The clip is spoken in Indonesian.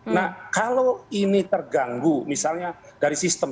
nah kalau ini terganggu misalnya dari sistem